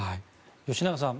吉永さん